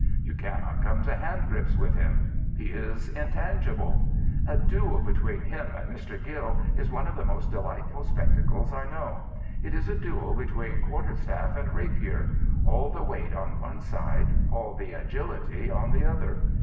You cannot come to handgrips with him. He is intangible. A duel between him and Mr. Gill is one of the most delightful spectacles I know. It is a duel between quarterstafl and rapier — all the weight on one side, all the agility on the other.